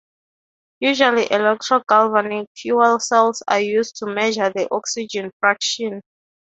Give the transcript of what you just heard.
Usually electro-galvanic fuel cells are used to measure the oxygen fraction.